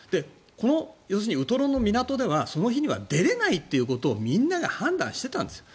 このウトロの港ではその日には出れないということをみんなが判断していたんですよ。